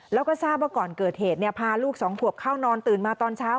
แล้วก็ทราบว่าก่อนเกิดเหตุพาลูกสองขวบเข้านอนตื่นมาตอนเช้า